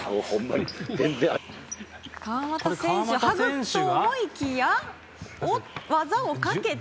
川真田選手とハグと思いきや技をかけて。